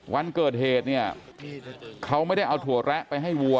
วันเกิดเหตุเนี่ยเขาไม่ได้เอาถั่วแระไปให้วัว